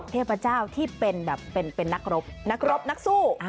เทพเจ้าที่เป็นแบบเป็นนักรบนักรบนักสู้